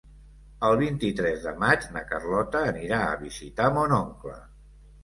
El vint-i-tres de maig na Carlota anirà a visitar mon oncle.